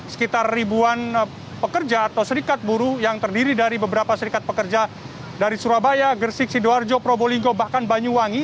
sekitar ribuan pekerja atau serikat buruh yang terdiri dari beberapa serikat pekerja dari surabaya gersik sidoarjo probolinggo bahkan banyuwangi